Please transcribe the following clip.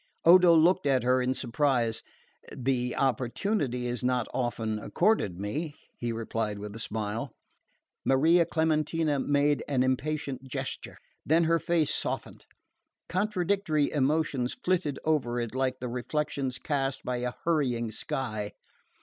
Odo looked at her in surprise. "The opportunity is not often accorded me," he replied with a smile. Maria Clementina made an impatient gesture; then her face softened. Contradictory emotions flitted over it like the reflections cast by a hurrying sky.